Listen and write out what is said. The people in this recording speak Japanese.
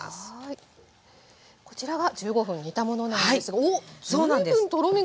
こちらが１５分煮たものなんですがおっ随分とろみが。